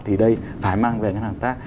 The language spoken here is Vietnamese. thì đây phải mang về ngân hàng hợp tác